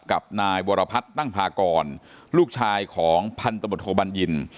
กับนายวรพรตั้งพากรลูกชายของพันธุ์บรรยีน